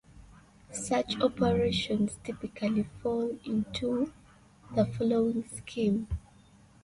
Such operations typically fall into the following scheme.